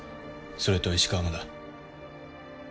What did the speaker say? それと石川もだ。